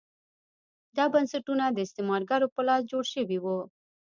دا بنسټونه د استعمارګرو په لاس جوړ شوي وو.